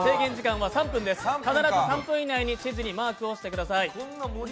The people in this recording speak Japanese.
必ず３分以内に地図にマークをしてください。